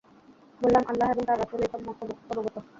বললাম, আল্লাহ এবং তাঁর রাসূলই সম্যক অবগত।